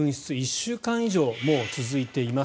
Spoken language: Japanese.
１週間以上もう続いています